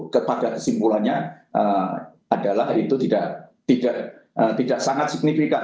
kepada kesimpulannya adalah itu tidak sangat signifikan